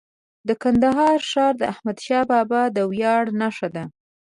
د کندهار ښار د احمدشاه بابا د ویاړ نښه ده.